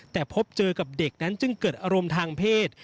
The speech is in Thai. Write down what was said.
แต่พบเจอกับเด็กนั้นจึงเกิดอารมณ์ทางเพศ